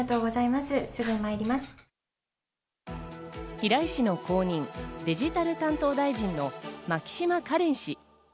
平井氏の後任、デジタル担当大臣の牧島かれん氏。